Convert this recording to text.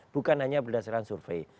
bukan hanya berdasarkan survei